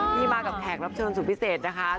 ที่มากับแขกรับเชิญสุดพิเศษนะคะ